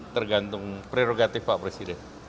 tergantung prerogatif pak presiden